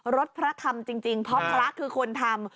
รถพระธรรมจริงเพราะพระคือคนทำ